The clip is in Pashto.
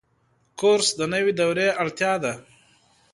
کورس د نوي دورې اړتیا ده.